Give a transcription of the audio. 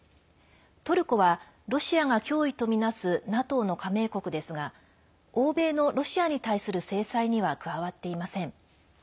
トルコはロシアが脅威とみなすＮＡＴＯの加盟国ですが欧米のロシアに対する制裁には加わっていません。